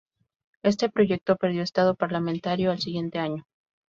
Este proyecto perdió estado parlamentario al siguiente año.